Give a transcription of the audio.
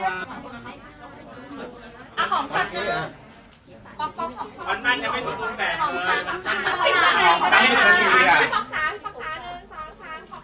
เอาของของพี่กันดีกว่าเอาของชอบกันดีกว่า